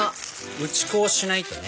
打ち粉はしないとね。